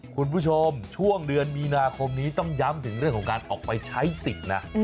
คุณผู้ชมช่วงเดือนมีนาคมนี้ต้องย้ำถึงเรื่องของการออกไปใช้สิทธิ์นะ